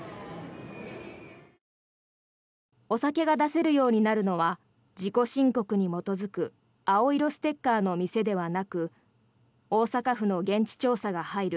お酒が出せるようになるのは自己申告に基づく青色ステッカーの店ではなく大阪府の現地調査が入る